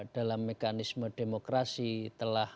dalam mekanisme demokrasi telah